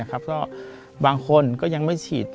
ก็บางคนก็ยังไม่ฉีด